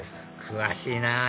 詳しいなぁ